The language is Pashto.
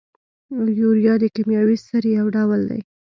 یوریا د کیمیاوي سرې یو ډول دی.